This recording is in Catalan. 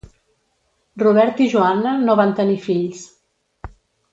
Robert i Joanna no van tenir fills.